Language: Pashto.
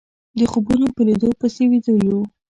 د خوبونو په ليدو پسې ويده يو